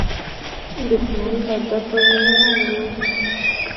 دښمن له ده په وینو رنګ و.